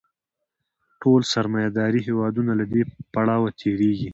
ټول سرمایه داري هېوادونه له دې پړاو تېرېږي